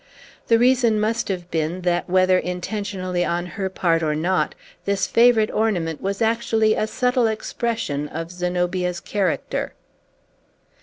The reason must have been that, whether intentionally on her part or not, this favorite ornament was actually a subtile expression of Zenobia's character.